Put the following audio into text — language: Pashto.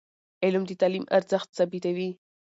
علم د تعلیم ارزښت ثابتوي.